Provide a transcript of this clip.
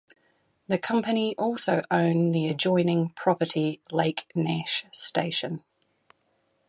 The company also own the adjoining property Lake Nash Station.